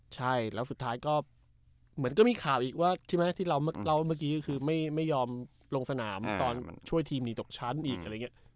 ใช่แล้วสุดท้ายก็เหมือนก็มีข่าวอีกว่าใช่ไหมที่เราเล่าเมื่อกี้ก็คือไม่ยอมลงสนามตอนช่วยทีมหนีตกชั้นอีกอะไรอย่างนี้